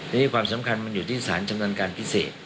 นี่ความสำคัญมันอยู่ที่สารจำนวนการพิเศษ